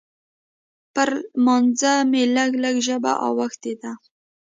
پر لمانځه مې لږ لږ ژبه اوښتې ده.